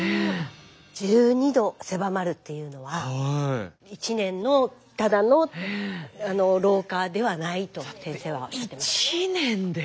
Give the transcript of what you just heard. １２度狭まるっていうのは１年のただの老化ではないと先生は。